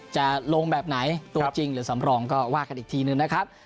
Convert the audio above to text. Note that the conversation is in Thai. จะลงแบบไหนตัวจริงหรือสำรองก็ว่ากันอีกทีหนึ่งนะครับ